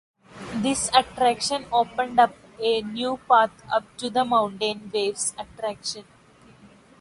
This attraction opened up a new path up to the Mountain Waves attraction.